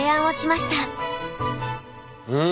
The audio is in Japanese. うん？